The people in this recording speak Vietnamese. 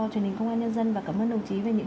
truyền hình công an nhân dân và cảm ơn đồng chí về những